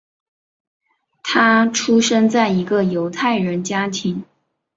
他出生在一个犹太人家庭。